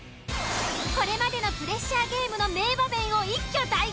［これまでのプレッシャーゲームの名場面を一挙大公開］